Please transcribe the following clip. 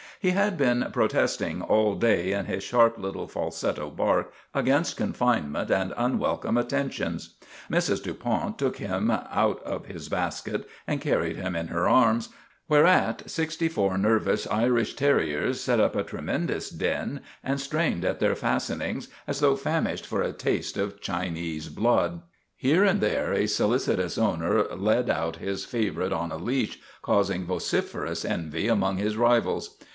He had been protesting all day in his sharp little falsetto bark against confinement and unwel come attentions. Mrs. Du Pont took him out of his basket and carried him in her arms; whereat sixty four nervous Irish terriers set up a tremendous din, and strained at their fastenings as though famished for a taste of Chinese blood. Here and there a solicitous owner led out his favorite on a leash, causing vociferous envy among his rivals.